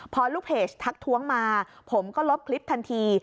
พอลูกเพจทักท้วงมาผมก็ลบคลิปทันที